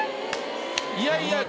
いやいや。